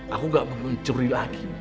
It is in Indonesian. aku gak mencuri lagi